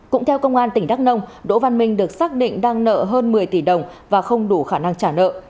cũng theo công an tỉnh đắk nông đỗ văn minh được xác định đang nợ hơn một mươi tỷ đồng và không đủ khả năng trả nợ